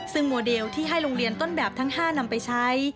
ซึ่งโมเดลที่ให้โรงเรียนต้นแบบทั้ง๕นำไปใช้